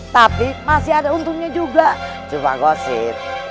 tapi masih ada untungnya juga cuma gosip